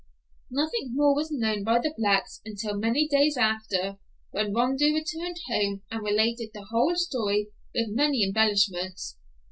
Nothing more was known by the blacks until many days after, when Rondeau returned home, and related the whole story with many embellishments.